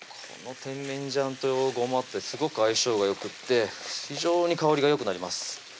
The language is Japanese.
この甜麺醤とごまってすごく相性がよくって非常に香りがよくなります